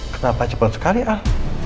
kenapa cepat sekali al